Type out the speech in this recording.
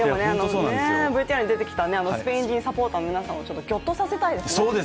ＶＴＲに出てきたスペイン人サポーターの皆さんをぎょっとさせたいですね。